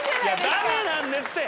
ダメなんですって！